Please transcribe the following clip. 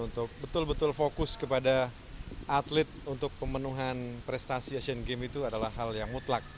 untuk betul betul fokus kepada atlet untuk pemenuhan prestasi asian games itu adalah hal yang mutlak